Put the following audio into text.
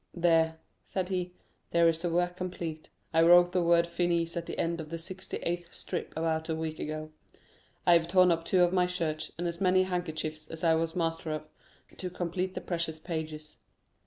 "There," said he, "there is the work complete. I wrote the word finis at the end of the sixty eighth strip about a week ago. I have torn up two of my shirts, and as many handkerchiefs as I was master of, to complete the precious pages.